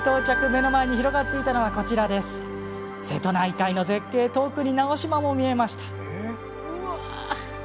目の前に広がっていたのは瀬戸内海の絶景遠くに直島も見えました。